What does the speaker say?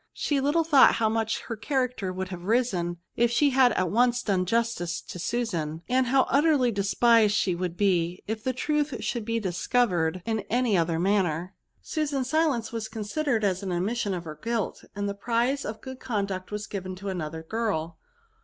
she little thought how much her character would have risen, if she had at once done justice to Susan; and how utterly despised she would be if the truth should be discovered Y 3 246 VERBS. in any other manner. Susan's silence was considered as an admission of her guilty and the prize of good conduct was given to another girl.